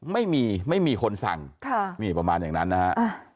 ไม่มีคนสั่งมีประมาณอย่างนั้นนะฮะ